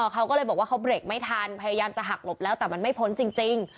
เขาก็เลยบอกว่าเขาเบรกไม่ทันพยายามจะหักหลบแล้วแต่มันไม่พ้นจริง